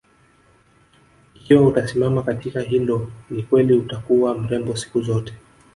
Ikiwa utasimama katika hilo ni kweli utakuwa mrembo siku zote